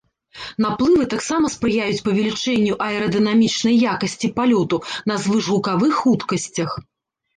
Наплывы таксама спрыяюць павелічэнню аэрадынамічнай якасці палёту на звышгукавых хуткасцях.